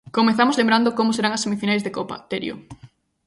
Comezamos lembrando como serán as semifinais de Copa, Terio.